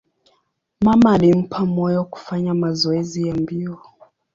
Mama alimpa moyo kufanya mazoezi ya mbio.